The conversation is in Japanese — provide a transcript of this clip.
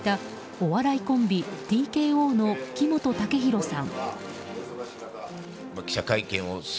お笑いコンビＴＫＯの木本武宏さん。